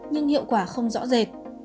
nhưng hiệu quả không rõ rệt